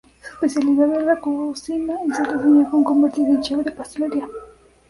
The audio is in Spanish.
Su especialidad es la cocina y solía soñar con convertirse en chef de pastelería.